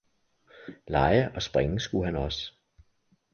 lege og springe skulle han også.